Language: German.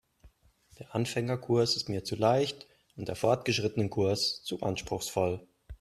Der Anfängerkurs ist mir zu leicht und der Fortgeschrittenenkurs zu anspruchsvoll.